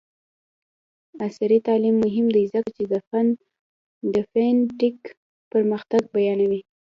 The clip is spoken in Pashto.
عصري تعلیم مهم دی ځکه چې د فین ټیک پرمختګ بیانوي.